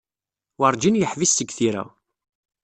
Werǧin yeḥbis seg tira.